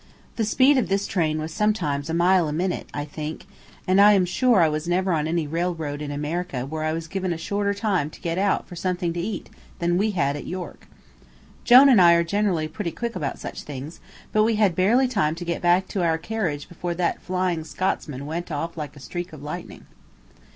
The speed of this train was sometimes a mile a minute, I think; and I am sure I was never on any railroad in America where I was given a shorter time to get out for something to eat than we had at York. Jone and I are generally pretty quick about such things, but we had barely time to get back to our carriage before that "Flying Scotsman" went off like a streak of lightning.